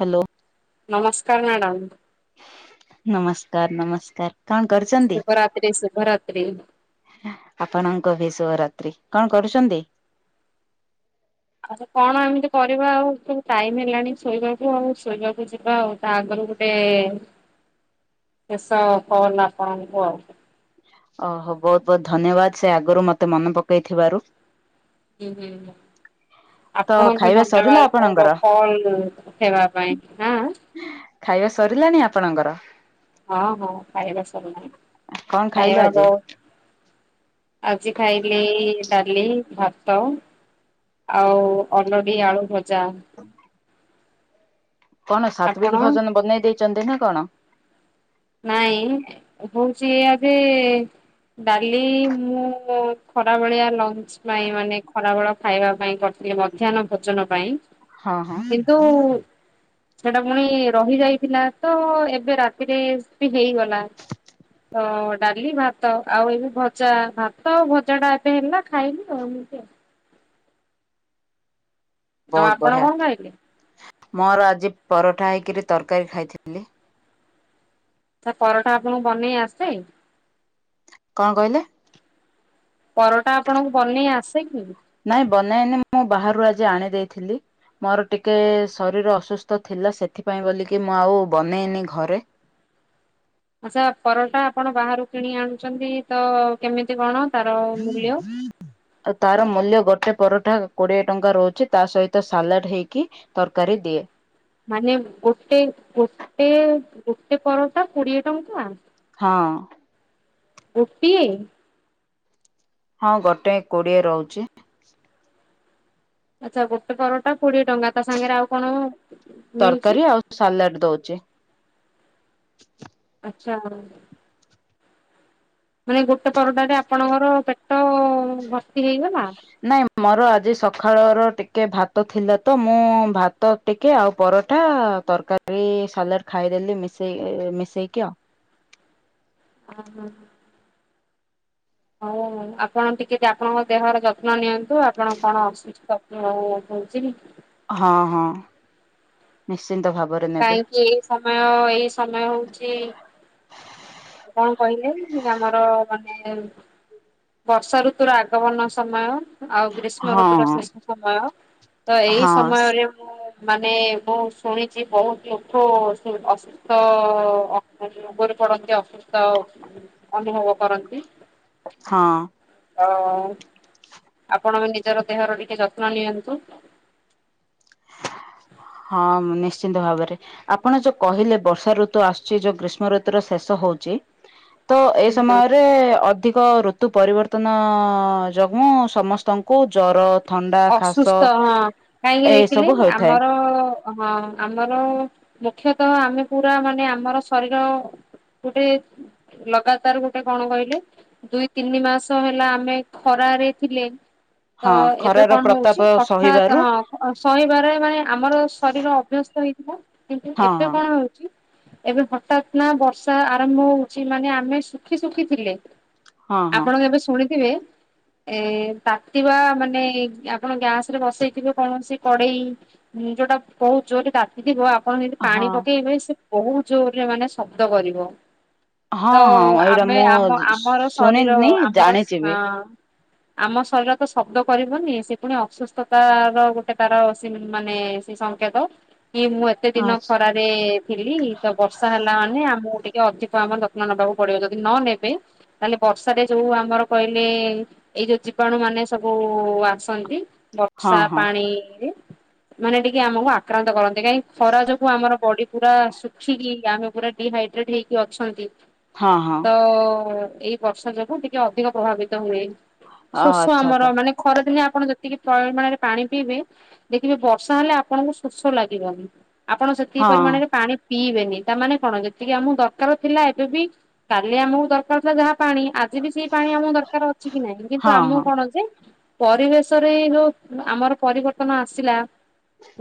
Hello. ନମସ୍କାର madam. ନମସ୍କାର ନମସ୍କାର କଣ କରୁଛନ୍ତି? ଶୁଭରାତ୍ରି ଶୁଭରାତ୍ରି। ଆପଣଙ୍କୁ ବି ଶୁଭ ରାତ୍ରି। କଣ କରୁଛନ୍ତି? କଣ ଏମିତି କରିବା ଆଉ ସବୁ ଟାଇମ ହେଲାଣି ଶୋଇବାକୁ ଆଉ ଶୋଇବାକୁ ଯିବା ଆଉ। ତା ଆଗରୁ ଗୋଟେ ଶେଷ ଫୋନ୍ ଆପଣଙ୍କୁ ଆଉ। ଓହୋ ବହୁତ ବହୁତ ଧନ୍ୟବାଦ ସେ ଆଗରୁ ମତେ ମନ ପକେଇ ଥିବାରୁ। ହୁଁ ହୁଁ। ତ ଆପଣଙ୍କୁ ବି ଖାଇବା ସରିଲା ଧନ୍ୟବାଦ ମୋର ଆପଣଙ୍କର କଲ ଉଠେଇବା ପାଇଁଁ। ହାଁ ଖାଇବା ସରିଲାଣି ଆପଣଙ୍କର। ହଁ ହଁ ଖାଇବା ସରିଲାଣି। କଣ ଖାଇଲେ ଖାଇବା ଆଜି? ବ ଆଜି ଖାଇଲି ଡାଲି ଭାତ। ଆଉ ଅଲଡି ଆଳୁ ଭଜା। [inaudible] କଣ ସାତ୍ଵିକ ଆପଣ? ଭୋଜନ ବନେଇ ଦେଇଛନ୍ତି ନା କଣ। ନାଇଁ ହଉଚି ଆଜି। ଡାଲି ମୁଁ ଖରା ବେଳିଆ ଲ ଜ୍ବାଇଁ ମାନେ ଖରା ବେଳ ଖାଇବା ପାଇଁ କରିଥିଲେ ମଧ୍ୟାହ୍ନ ଭୋଜନ ପାଇଁ। ହଁ ହଁ କିନ୍ତୁ ସେଟା ପୁଣି ରହି ଯାଇଥିଲା ତ ଏବେ ରାତିରେ ସେତିକି ହେଇଗଲା। ତ ଡାଲି ଭାତ ଆଉ ଏଇନୁ ଭଜା। ଭାତ ଆଉ ଭଜା ଟା ଏବେ ହେଲା ଖାଇଲୁ ଆଉ ଏମିତି ଆଉ। ଆଉ ବହୁତ ଆପଣ ବଢିଆ। କଣ ଖାଇଲେ? ମୋର ଆଜି ପରଠା ହେଇକିରି ତରକାରୀ ଖାଇଥିଲି। ସେ ପରଟା ଆପଣଙ୍କୁ ବନେଇ ଆସେ। କଣ କହିଲେ? ପରଟା ଆପଣଙ୍କୁ ବନେଇ ଆସେ କି। ନାଇଁ ବନାଏନି। ମୁଁ ବାହାରୁ ଆଜି ଆଣି ଦେଇଥିଲି। ମୋର ଟିକେ ଶରୀର ଅସୁସ୍ଥ ଥିଲା ସେଥିପାଇଁ ବୋଲିକି ମୁଁ ଆଉ ବନେଇନି ଘରେ। ଆଚ୍ଛା ପରଟା ଆପଣ ବାହାରୁ କିଣି ଆଣୁଛନ୍ତି ତ କେମିତି କଣ ତାର ମୂଲ୍ୟ? ଆଉ ତାର ମୂଲ୍ୟ ଗୋଟେ ପରଟା କୋଡିଏ ଟଙ୍କା ରହୁଛି ତା ସହିତ ସାଲାଡ୍ ହେଇକି ତରକାରୀ ଦିଏ। ମାନେ ଗୋଟେ ଗୋଟେ ଗୋଟେ ପରଟା କୋଡିଏ ଟଙ୍କା ହଁ। ଗୋଟିଏ ହଁ ଗୋଟେ କୋଡିଏ ରହୁଛି। ଆଚ୍ଛା ଗୋଟେ ପରଟା କୋଡିଏ ଟଙ୍କା ତା ସାଙ୍ଗରେ ଆଉ କଣ? ମିଳୁଛି ତରକାରୀ ଆଉ ସାଲାଡ ଦଉଚି। ଆଚ୍ଛା। ମାନେ ଗୋଟେ ପରଟାରେ ଆପଣଙ୍କର ପେଟ ଭର୍ତି ହେଇଗଲା? ନାଇଁ ମୋର ଆଜି ସକାଳର ଟିକେ ଭାତ ଥିଲା ତ। ମୁଁ ଭାତ ଟିକେ ଆଉ ପରଠା ତରକାରୀ ସାଲାଡ ଖାଇଦେଲି ମିଶେଇ ମିଶେଇକି ଆଉ। ଆହା। ହଉ ଆପଣ ଟିକେ ଆପଣଙ୍କ ଦେହର ଯତ୍ନ ନିଅନ୍ତୁ ଆପଣ କଣ ଅସୁ ପ୍ରାଥନା ହଉଛି କି ହଁ ହଁ ନିଶ୍ଚିନ୍ତ ଭାବରେ ନେବି କାହିଁକି ଏଇ ସମୟ ଏଇ ସମୟ ହଉଛି କଣ କହିଲେ ଆମର ମାନେ ବର୍ଷା ଋତୁର ଆଗମନ ସମୟ ଆଉ ଗ୍ରୀଷ୍ମ ହଁ ଋତୁର ଶେଷ ସମୟ ତ ଏଇ ହଁ। ସମୟରେ ମାନେ ମୁଁ ଶୁଣିଛି ବହୁତ ଲୋକ ଅ ସୁସ୍ଥ ରୋଗରେ ପଡନ୍ତି ଅସୁସ୍ଥ ଅନୁଭବ କରନ୍ତି ହଁ। ଓ ଆପଣ ନିଜର ଦେହର ଟିକେ ଯତ୍ନ ନିଅନ୍ତୁ [inaudible] ହଁ ନିଶ୍ଚିନ୍ତ ଭାବରେ ଆପଣ ଯୋଉ କହିଲେ ବର୍ଷା ଋତୁ ଆସୁଛି ଯୋଉ ଗ୍ରୀଷ୍ମ ଋତୁୁର ଶେଷ ହଉଛି ତ ଏ ହୁଁ ସମୟରେ ଅ ଅଧିକ ଋତୁ ପରିବର୍ତ୍ତନ ଯୋଗୁଁ ସମସ୍ତଙ୍କୁ ଜର ଥଣ୍ଡା ଖାସ ଅସୁସ୍ଥ ହଁ କାହିଁକି ଦେଖିଲେ ଏସବୁ ହୋଇଥାଏ ଆମର ହଁ ଆମର ମୁଖ୍ୟତଃ ଆମେ ପୁରା ମାନେ ଆମର ଶରୀର ଗୋଟେ ଲଗାତାର ଗୋଟେ କଣ କହିଲେ ଦୁଇ ତିନି ମାସ ହେଲା ଆମେ ଖରାରେ ଥିଲେ ତ ହଁ ଏବେ ଖରାର କଣ ହଉଛି ପ୍ରତାପ ହଠାତ୍ ସହିବାରୁ ହଁ ସହିବାରେ ମାନେ ଆମର ଶରୀର ଅଭ୍ୟସ୍ତ ହେଇଥିବ କିନ୍ତୁ ହଁ ଏବେ କଣ ହଉଛି ଏବେ ହଠାତ ନା ବର୍ଷା ଆରମ୍ଭ ହଉଛି ମାନେ ଆମେ ଶୁଖି ଶୁଖିଥିଲେ ହଁ ହଁ ଆପଣ ଏବେ ଶୁଣିଥିବେ ଏ ତାତିିବା ମାନେ ଆପଣ ଗ୍ୟାସ ରେ ବସେଇଥିବେ କୌଣସି କଡେଇ ଯୋଉଟା ବୋହୁତ ଜୋରରେ ତା ଥିବ ଆପଣ ଯଦି ପାଣି ହଁ ପକେଇବେ ସେ ବହୁତ ଜୋରରେ ମାନେ ଶବ୍ଦ କରିବ ହଁ ତ ହଁ ହଁ ଏଇଟା ଆମେ ମୁଁ ଆମ ଆମର ଶରୀର ଶୁଣିନି ଆମର ଜାଣିଛି ବି ହଁ ଆମ ଶରୀର ତ ଶବ୍ଦ କରିବନି ସେ ପୁଣି ଅସୁସ୍ଥତା ର ଗୋଟେ ତାର ସେ ମାନେ ସେ ସଂଙ୍କେତ କି ମୁଁ ସେ ଦିନ ଆଚ୍ଛା ଖରା ଥିଲି ତ ବର୍ଷା ହେଲା ମାନେ ଆମକୁ ଟିକେ ଅଧିକ ଆମ ଯତ୍ନ ନେବାକୁ ପଡିବ ଯଦି ନ ନେବେ ତାହେଲେ ବର୍ଷାରେ ଯୋଉ ଆମର କହିଲେ ଏଇ ଯୋଉ ଜୀବାଣୁ ମାନେ ସବୁ ଆ ଛନ୍ତି ହଁ ବର୍ଷା ହଁ ପାଣିରେ ମାନେ ଟିକେ ଆମକୁ ଆକ୍ରାନ୍ତ କରନ୍ତି କାହିଁକି ଖରା ଯୋଗୁ ଆମର ବଡି ପୁରା ଶୁଖିକି ଆମେ ପୁରା ଡିହାଇଡ୍ରେଟ ହେଇକି ଅଛନ୍ତି। ହଁ ହଁ ତ ଏଇ ବର୍ଷା ଯୋଗୁ ଟିକେ ଅଧିକ ପ୍ରଭାବିତ ହୁଏ। ଶୋସ ଆଚ୍ଛା ଆମର ଆଚ୍ଛା ମାନେ ଖରଦିନେ ଆପଣ ଯେତିକି ପରିମାଣରେ ପାଣି ପିଇବେ ଦେଖିବେ ବର୍ଷା ହେଲେ ଆପଣଙ୍କୁ ଶୋସ ଲାଗିବନି ଆପଣ ସେତିକି ହଁ ପରିମାଣରେ ପାଣି ପିଇବେନି ତାମାନେ କଣ ଯେତିକି ଆମକୁ ଦରକାର ଥିଲା ଏବେ ବି କାଲି ଆମକୁ ଦରକାର ଥିଲା ଯାହା ପାଣି ଆଜି ବି ସେଇ ପାଣି ଆମକୁ ଦରକାର ଅଛି କି ନାହିଁ କିନ୍ତୁ ହଁ ଆମକୁ ହଁ କଣ ଯେ ପରିବେଶ ଷରେ ଯୋଉ ଆମର ପରିବର୍ତ୍ତନ ଆସିଲା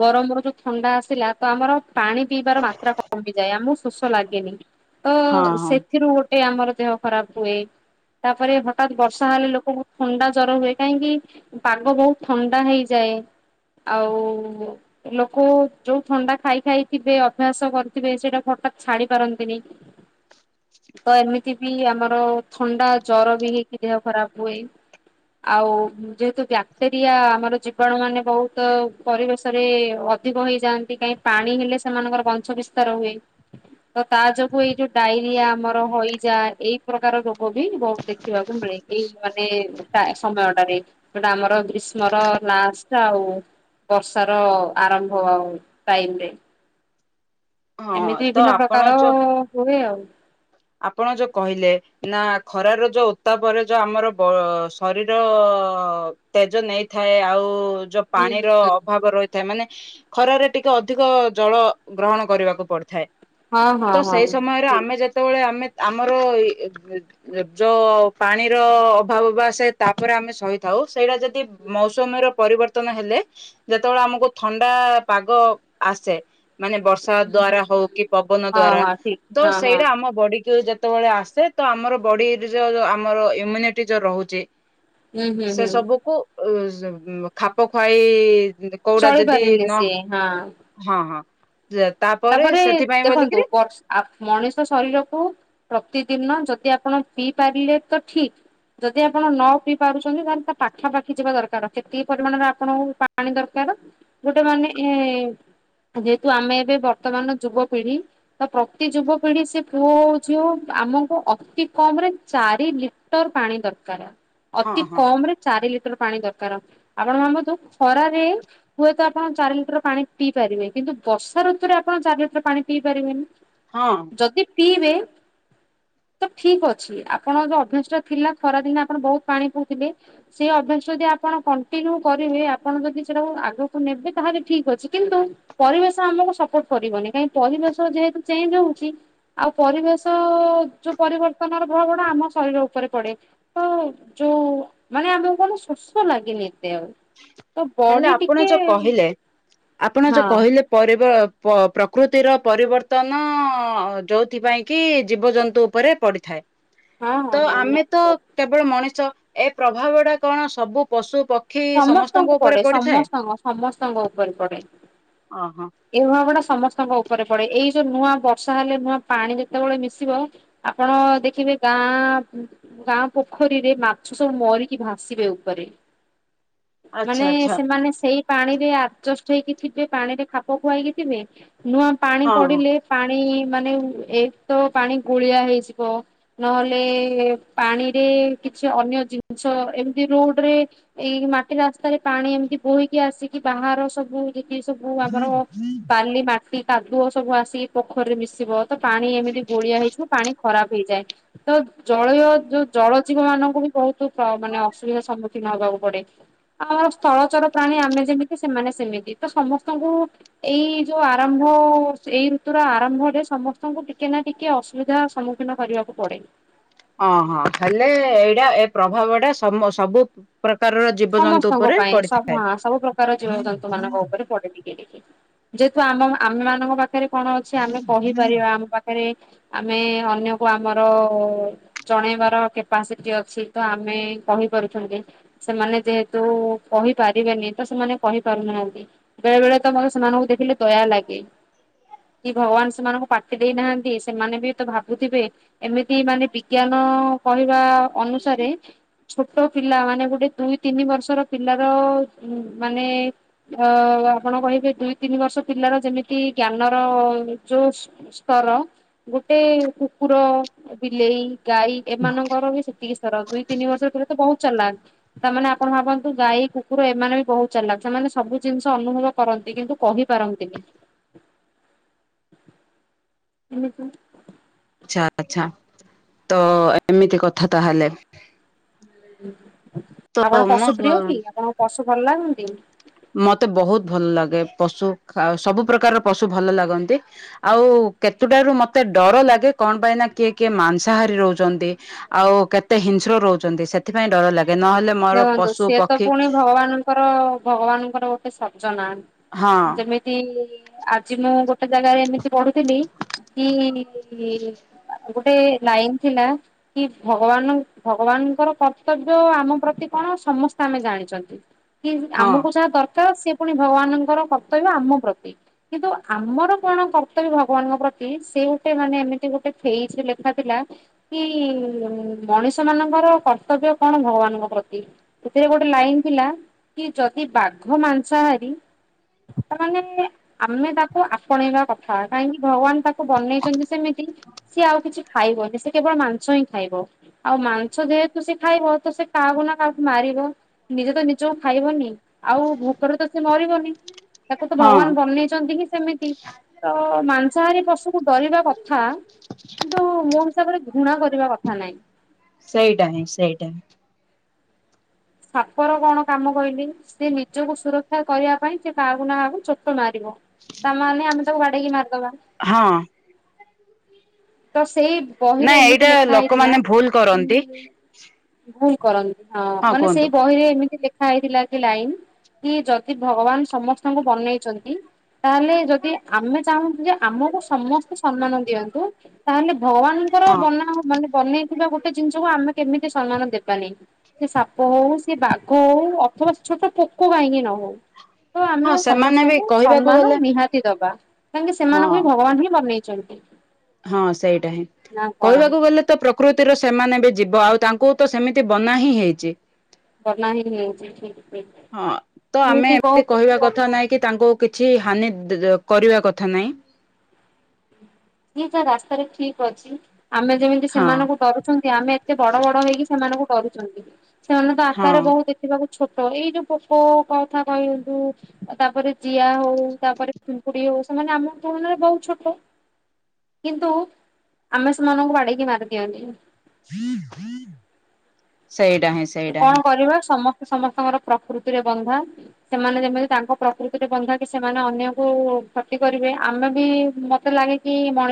ଗରମର ଯୋଉ ଥଣ୍ଡା ଆସିଲା ତ ଆମର ପାଣି ପିଇବାର ମାତ୍ରା କମିଯାଏ ଆମକୁ ଶୋଷ ଲାଗେନି ତ ହଁ ସେଥିରୁ ଗ ଟେ ଆମର ଦେହ ଖରାପ ହୁଏ ତାପରେ ହଠାତ୍ ବର୍ଷା ହେଲେ ଲୋକ ବ ଥଣ୍ଡା ଜ୍ୱର ହୁଏ କାହିଁକି ପାଗ ବହୁତ ଥଣ୍ଡା ହେଇଯାଏ। ଆଉ ଲୋକ ଯୋଉ ଥଣ୍ଡା ଖାଇ ଖାଇଥିବେ ଅଭ୍ୟାସ କରିଥିବେ ସେଇଟା ହଠାତ୍ ଛାଡି ପାରନ୍ତିନି। ତ ଏମିତି ବି ଆମର ଥଣ୍ଡା ଜର ବି ହେଇକି ଦେହ ଖରାପ ହୁଏ ଆଉ ଯେହେତୁ। ବ୍ୟାକ୍ଟେରିଆ ଆମର ଜୀବାଣୁ ମାନେ ବହୁତ ପରିବେଶରେ ଅଧିକ ହେଇଯାଆନ୍ତି କାହିଁି ପାଣି ହେଲେ ସେମାନଙ୍କର ବଂଶ ବିସ୍ତାର ହୁଏ। ତ ତା ଯୋଗୁ ଏଇ ଯୋଉ ଡାଇରିଆ ଆମର ହଇଜା ଏଇ ପ୍ରକାର ରୋଗ ବି ବହୁତ ଦେଖିବାକୁ ମିଳେ। ଏଇ ମାନେ ସମୟଟାରେ ଯୋଉଟା ଆମର ଗ୍ରୀଷ୍ମର ଲାଷ୍ଟ ଆଉ। ବର୍ଷା ର ଆରମ୍ଭ ଆଉ ଟାଇମ ରେ। ହଁ ହଁ ଏମିତି ତ ବିଭିନ୍ନ ଆପଣ ପ୍ରକାର ଯୋଉ ହୁଏ ଆଉ। ଆପଣ ଯୋଉ କହିଲେ ନା ଖରାର ଯୋଉ ଉତ୍ତାପରେ ଯୋଉ ଆମର। ଶରୀର ତେଜ ନେଇଥାଏ ଆଉ ଯୋଉ ହୁଁ ହୁଁ ପାଣିର ହୁଁ ଅଭାବ ରହିଥାଏ ମାନେ ଖରାରେ ଟିକେ ଅଧିକ ଜଳ ଗ୍ରହଣ। କରିବାକୁ ପଡିଥାଏ ହଁ ହଁ ତ ହଁ ସେଇ ସମୟରେ ଠିକ ଆମେ ଯେତେବେଳେ ଆମେ ଆମର ଯୋଉ ପାଣିର ଅଭାବ ବା ସେ ତାପରେ ଆମେ ସହିଥାଉ ସେଇଟା ଯଦି ମୌସମ ର ପରିବର୍ତ୍ତନ ହେଲେ ଯେତେବେଳେ ଆମକୁ ଥଣ୍ଡା ପାଗ ଆସେ ମାନେ ବର୍ଷା ହୁଁ ଦ୍ଵାରା ହୁଁ ହୁଁ ହଉ କି ପବନ ହଁ ଦ୍ଵାରା ହଁ ଠିକ ତ ହଁ ହଁ ସେଇଟା ଆମ ବଡିକୁ ଯେତେବେଳେ ଆସେ ତ ଆମର ବଡିର। ଯଉ ଆମର ଇମ୍ୟୁନିଟି ଯୋଉ ରହୁଛି ହୁଁ ହୁଁ ସେ ହୁଁ ସବୁକୁ ଉ ଖାପ ଖୁଆଇ କଉଡା ଯଦି ଚଳିପାରିଲେ ନ ସିଏ ହଁ। ହଁ ହଁ ତା ତାପରେ ଦେଖନ୍ତୁ ବର୍ ଆ ମଣିଷ ଶରୀରକୁ ପ୍ରତିଦିନ ଯଦି ଆପଣ ପିଇ ପାରିଲେ ତ ଠିକ। ଯଦି ଆପଣ ନ ପିଇ ପାରୁଛନ୍ତି ତାହେଲେ ତା ପାଖା ପାାଖି ଯିବା ଦରକାର କେତିକି ପରିମାଣରେ ଆପଣଙ୍କୁ ପାଣି ଦରକାର। ଗୋଟେ ମାନେ ଏ ଯେହେତୁ ଆମେ ଏବେ ବର୍ତ୍ତମାନ ଯୁବପିଢି। ତ ପ୍ରତି ଯୁବପିଢି ସେ ପୁଅ ହଉ ଝିଅ ହଉ ଆମକୁ ଅତି କମ ରେ ଚାରି ଲି ଲିଟର ପାଣି ଦରକାର। ହଁ ଅତି ହଁ କମ ରେ ଚାରି ଲିଟର ପାଣି ଦରକାର। ଆପଣ ଭାବୁ ତୁ ଖରାାରେ ହୁଏତ ଆପଣ ଚାରି ଲିଟର ପାଣି ପିଇ ପାରିବେ କିନ୍ତ ବର୍ଷାଋତୁରେ ଆପଣ ଚାର ଲିଟର ପାଣି ପିଇ ପାରିବେନି। ହଁ ଯଦି ପିଇବେ ତ ଠିକ ଅଛି ଆପଣ ଯୋଉ ଅଭ୍ୟାସ ଟା ଥିଲା ଖରା ଦିନ ଆପଣ ବହୁତ ପାଣି ପଉଥିଲେ। ସେଇ ଅଭ୍ୟାସ ଯଦି ଆପଣ କଣ୍ଟିନ୍ୟୁ କରିବେ ଆପଣ ଯଦି ସେଟାକୁ ଆଗକୁ ନେବେ ତାହେଲେ ଠିକ ଅଛି କିନ୍ତୁ ପରିବେଶ ଆମକୁ ସପୋର୍ଟ କରିବନି କାହିଁକି ପରିବେଶ ଯେହେତୁ ଚେଞ୍ଜ ହଉଛି ଆଉ ପରିବେଶ ଯୋଉ ପରିବର୍ତ୍ତନର ଭାବ ଗଟା [inaudible] ଆମ ଶରୀର ଉପରେ ପଡେ ତ ଯୋଉ ମାନେ ଆମକୁ କଣ ଶୋଷ ଲାଗେନି ଏତେ ଆଉ। ତ ହେଲେ ବଡି ଆପଣ ଟିକେ ଯୋଉ କହିଲେ ଆପଣ ଯୋଉ ହଁ କହିଲେ? ପରିବ ପ ପ୍ରକୃତିର ପରିବର୍ତ୍ତନ ଜୋଉଥିପାଇଁକି ଜୀବଜନ୍ତୁ ଉପରେ ପଡ଼ିଥାଏ। ହଁ ହଁ ତ ହଁ ଆମେ ନିହାତି ତ ପଡେ। କେବଳ ମଣିଷ ଏ ପ୍ରଭାବ ଟା କଣ ସବୁ ପଶୁ ପକ୍ଷୀ ସମସ୍ତଙ୍କ ସମସ୍ତଙ୍କୁ ଉପରେ ପଡେ ପଡିଥାଏ? ସମସ୍ତଙ୍କ ସମସ୍ତଙ୍କ ଉପରେ ପଡେ। ଓହୋ ଏଇଭାବ ଟା ସମସ୍ତଙ୍କ ଉପରେ ପଡେ ଏଇ ଯୋଉ ନୂଆ ବର୍ଷା ହେଲେ ନୂଆ ପାଣି ଯେତେବେଳେ ମିଶିବ ଆପଣ ଦେଖିବେ ଗାଁ ଗାଁ ପୋଖରୀରେ ମାଛ ସବୁ ମରିକି ଭାସିବେ ଉପରେ। ଆଚ୍ଛା ମାନେ ଆଚ୍ଛା ସେମାନେ ସେଇ ପାଣିରେ ଆଜଷ୍ଟ ହେଇକି ଥିବେ ପାଣିରେ ଖାପ ଖୁଆଇକି ଥିବେ ନୂଆ ପାଣି ହଁ ହଁ। ପଡିଲେ ପାଣି ମାନେ ଏକ ତ ପାଣି ଗୋଳିଆ ହେଇଯିବ। ନହେଲେ ପାଣିରେ କିଛି ଅନ୍ୟ ଜିନିଷ ଏମିତି ରୁଟରେ ଏଇ ମାଟି ରାସ୍ତାରେ ପାଣି ଏମିତି ବୋହିକି ଆସିକି ବାହାର ସବୁ ଜେତିକି ସବୁ ଆମର ବାଲି ମାଟି କାଦୁଅ ସବୁ ଆସିକି ପୋଖରୀରେ ମିଶିବ। ତ ପାଣି ଏମିତି ଗୋଳିଆ ହେଇଚି ପାଣି ଖରାପ ହେଇଯାଏ। ତ ଜଳୀୟ ଯୋଉ ଜଳ ଜୀବ ମାନଙ୍କୁ ବି ବୋହୁତ ମାନେ ଅସୁବିଧାର ସମ୍ମୁଖୀନ ହବାକୁ ପଡେ। ଆମର ସ୍ଥଳଚର ପ୍ରାଣୀ ଆମେ ଯେମିତି ସେମାନେ ସେମିତି ତ ସମସ୍ତଙ୍କୁ ଏଇ ଯୋଉ ଆରମ୍ଭ ସେଇ ଋତୁର ଆରମ୍ଭରେ ସମସ୍ତଙ୍କୁ ଟିକେ ନା ଟିକେ ଅସୁବିଧା ସମ୍ମୁଖୀନ କରିବାକୁ ପଡେ। ଅ ହଁ ହେଲେ ଏଇଟା ଏ ପ୍ରଭାବଟା ସମ ସବୁ ପ୍ରକାରର ଯି ସମସ୍ତଙ୍କ ପାଇଁ [unintelligible] ସବୁ ପ୍ରକାର ଜୀବଜନ୍ତୁ ମାନଙ୍କ ଉପରେ ପଡେନି। ଯେହେତୁ ଆମ ଆମ ମାନଙ୍କ ପାଖେରେ କଣ ଅଛି ଆମେ କହିପାରିବା ଆମ ପାଖେରେ ଆମେ ଅନ୍ୟକୁ ଆମର ଚଣେଇବାର କେପାସିଟି ଅଛି ତ ଆମେ କହିପାରୁଛନ୍ତି। ସେମାନେ ଯେହେତୁ କହିପାରିବେନି ତ ସେମାନେ କହିପାରୁନାହାଁନ୍ତି। ବେଳେ ବେଳେ ତ ମୋର ସେମାନଙ୍କୁ ଦେଖିଲେ ଦୟା ଲାଗେ। କି ଭଗବାନ ସେମାନଙ୍କୁ ପାଟି ଦେଇ ନାହାନ୍ତି ସେମାନେ ବି ତ ଭାବୁଥିବେ ଏମିତି ମାନେ ବିଜ୍ଞାନ କହିବା ଅନୁସାରେ ଛୋଟ ପିଲା ମାନେ ଗୋଟେ ଦୁଇ ତିନି ବର୍ଷର ପିଲାର ମାନେ ଅ ଆପଣ କହିବେ ଦୁଇ ତିନି ବର୍ଷ ପିଲାର ଯେମିତି ଜ୍ଞାନର ଯୋସ୍ ସ୍ତର ଗୋଟେ କୁକୁର ବିଲେଇ ଗାଈ ଏମାନଙ୍କର ବି ସେତିକି ସ୍ତର ଦୁଇ ତିନି ବର୍ଷ ପରେ ତ ବୋହୁତ ଚାଲାଖ୍। ତାମାନେ ଆପଣ ଭାବନ୍ତୁ ଗାଈ କୁକୁର ଏମାନେ ବି ବହୁତ ଚାଲାଖ୍ ସେମାନେ ସବୁ ଜିନିଷ ଅନୁଭବ କରନ୍ତି କିନ୍ତୁ କହିପାରନ୍ତିନି। [unintelligible] ଆଚ୍ଛା ଆଛା ତ ଏମିତି କଥା ତାହେଲେ ତ ଆପଣ ପଶୁ ପ୍ରିୟ ମୁଁ କି ଆପଣଙ୍କ ପଶୁ ଭଲ ଲାଗନ୍ତି? ମତେ ବୋହୁତ ଭଲ ଲାଗେ ପଶୁ ଆ ସବୁ ପ୍ରକାରର ପଶୁ ଭଲ ଲାଗନ୍ତି ଆଉ କେତୁଟାରୁ ମତେ ଡର ଲାଗେ କଣ ପାଇଁ ନା କିଏ କିଏ ମାଂସାହାରି ରୋହୁଚନ୍ତି। ଆଉ କେତେ ହିଂସ୍ର ରୋହୁଚନ୍ତି ସେଥିପାଇଁ ଡର ଲାଗେ ନହେଲେ ମୋର ଦେଅନ୍ତୁ ପଶୁ ସିଏ ତ ପକ୍ଷୀ ପୁଣି ଭଗବାନ ଙ୍କର ଭଗବାନଙ୍କର ଗୋଟେ ସର୍ଜନା ହଁ ଯେମିତି ଆଜି ମୁଁ ଗୋଟେ [unintelligible] ଗୋଟେ ଲାଇନ ଥିଲା କି ଭଗବାନ ଭଗବାନଙ୍କର କର୍ତ୍ତବ୍ୟ ଆମ ପ୍ରତି ସେ କଣ ସମସ୍ତେ ଆମେ ଜାଣିଛନ୍ତି କି ହଁ ଆମକୁ ଯାହା ଦରକାର ସେ ପୁଣି ଭଗବାନଙ୍କର କର୍ତ୍ତବ୍ୟ ଆମ ପ୍ରତି। କିନ୍ତୁ ଆମର କଣ କର୍ତ୍ତବ୍ୟ ଭଗବାନଙ୍କ ପ୍ରତି ସେ ଗୋଟେ ମାନେ ଏମିତି ଗୋଟେ ଫେଜରେ ଲେଖା ଥିଲା। କି ମଣିଷ ମାନଙ୍କର କର୍ତ୍ତବ୍ୟ କଣ ଭଗବାନଙ୍କ ପ୍ରତି। ଏଥିରେ ଗୋଟେ ଲାଇନ ଥିଲା କି ଯଦି ବାଘ ମାଂସ ହାରି। ତମାନେ ଏ। ଆମେ ତାକୁ ଆପଣେଇବା କଥା କାହିଁକି ଭଗବାନ ତାକୁ ବନେଇଛନ୍ତି ସେମିତି। ସିଏ ଆଉ କିଛି ଖାଇବନି ସେ କେବଳ ମାଂସ ହିଁ ଖାଇବ। ଆଉ ମାଂସ ଯେହେତୁ ସେ ଖାଇବ ତ ସେ କାହାକୁ ନା କାହାକୁ ମାରିବ ନିଜେ ତ ନିଜକୁ ଖାଇବନି। ଆଉ ଭୋକରେ ତ ସେ ମରିବନି ତାକୁ ତ ହଁ ଭଗବାନ ବନେଇଛନ୍ତି କି ସେମିତି। ତ ମାଂସହାରୀ ପଶୁକୁ ଡରିବା କଥା। କିନ୍ତୁ ମୋ ହିସାବରେ ଘୃଣା କରିବା କଥା ନାହିଁ। ସେଇଟା ହିଁ ସେଇଟା ହିଁ। ସାପର କଣ କାମ କହିଲି। ସେ ନିଜକୁ ସୁରକ୍ଷା କରିବା ପାଇଁ ସେ କାହାକୁ ନା କାହାକୁ ଚୋଟ ମାରିବ। ତାମାନେେ ଆମେ ତାକୁ ବାଡେଇକି ମାରିଦବା। ହଁ। ତ ସେଇ ବହିରେ ନାଇଁ ଏମିତି ଏଇଟା ଲେଖା ହେଇଥିଲା। ଲୋକମାନେ ଭୁଲ କରନ୍ତି ଭୁଲ କରନ୍ତି ହଁ ମାନେ ସେଇ ବହିରେ ଏମିତି ଲେଖା ହେଇଥିଲା କି ଲାଇନ୍ କି ଯଦି ଭଗବାନ ସମସ୍ତଙ୍କୁ ବନେଇଛନ୍ତି। ତାହେଲେ ଯଦି ଆମେ ଚାହୁଁଛୁ ଯେ ଆମକୁ ସମସ୍ତେ ସମ୍ମାନ ଦିଅନ୍ତୁ ତାହେଲେ ଭଗବାନଙ୍କର ହଁ। ବନା ମାନେ ବନେଇଥିବା ଗୋ ଗୋଟେ ଜିନିଷକୁୁ ଆମେ କେମିତି ସମ୍ମାନ ଦେବାନି ସେ ସାପ ହଉ ସେ ବାଘ ହଉ ଅଥବା ଛୋଟ ପୋକ କାହିଁକି ନହୋଉ ତ ହଁ ଆମେ ସେମାନେ ବି ସମସ୍ତଙ୍କୁ କହିବାକୁ ସମ୍ମାନ ଗଲେ ନିହାତି ଦବା। କାହିଁକି ସେମାନଙ୍କୁ ହଁ ବି ଭଗବାନ ହିଁ ବନେଇଛନ୍ତି। ହଁ ସେଇଟା ହିଁ ନା କଣ? କହିବାକୁ ଗଲେ ତ ପ୍ରକୃତିର ସେମାନେ ବି ଯିବ ଆଉ ତାଙ୍କୁ ତ ସେମିତି ବନା ହିଁ ହେଇଚି। ବନା ହିଁ ହେଉଚି ଠିକ୍। ସେ। ହଁ ତ ଆମେ ଏମିତି ବହୁତ କହିବା ଦେଖିବାକୁ କଥା ମିଳେ ନାଇଁ କି ତାଙ୍କୁ କିଛି ହାନି କରିବା କଥା ନାହିଁ। ନିଜ ରାସ୍ତାରେ ଠିକ୍ ଅଛି ଆମେ ଯେମିତି ହଁ ସେମାନଙ୍କୁ ଡରୁଛନ୍ତି ଆମେ ଏତେ ବଡ଼ ବଡ଼ ହେଇକି ସେମାନଙ୍କୁ ଡରୁଛନ୍ତି ସେମାନେ ତ ହଁ ଆକାରେ ବହୁ ଦେଖିବାକୁ ଛୋଟ ଏଇ ଯୋଉ ପୋକ କଥା କୁହନ୍ତୁ। ତାପରେ ଜିଆ ହଉ ତାପରେ ପିଙ୍କୁଡି ହଉ ସେମାନେ ଆମ ତୁଳନାରେ ବହୁତ ଛୋଟ। କିନ୍ତୁ ଆମେ ସେମାନଙ୍କୁ ବାଡ଼େଇ କି ମାରିଦିଅନ୍ତି। ସେଇଟା ହିଁ ସେଇଟା ହିଁ। କଣ କରିବା ସମସ୍ତେ ସମସ୍ତଙ୍କର ପ୍ରକୃତିରେ ବନ୍ଧା। ସେମାନେ ଯେମିତି ତାଙ୍କ ପ୍ରକୃତିରେ ବନ୍ଧାକି ସେମାନେ ଅନ୍ୟ କୁ କ୍ଷତି କରିବେ ଆମେ ବି ମତେ ଲାଗେ କି ମଣି